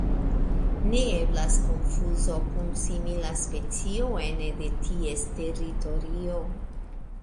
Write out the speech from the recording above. Ne eblas konfuzo kun simila specio ene de ties teritorio.